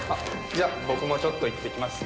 じゃあ僕もちょっと行ってきますね。